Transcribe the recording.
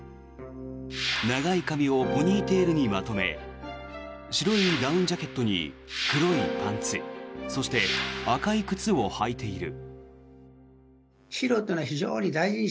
長い髪をポニーテールにまとめ白いダウンジャケットに黒いパンツそして赤い靴を履いている。